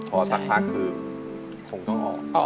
พอสักพักคือคงต้องออก